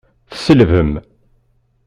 Tselbem!